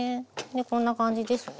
こんな感じですね。